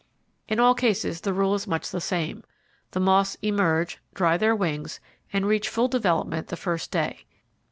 In all cases the rule is much, the same. The moths emerge, dry their wings, and reach full development the first day.